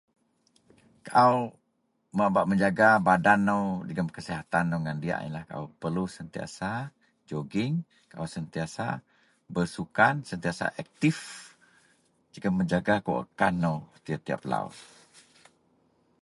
Kaau mun bak menjaga badan nou jegem kesihatan nou jadi diyak akou perlu sentiasa jogging sentiasa bersukan sentiasa akif jegem menjaga wakkan nou tiyap-tiyap lau.